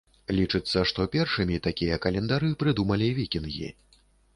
Лічыцца, што першымі такія календары прыдумалі вікінгі.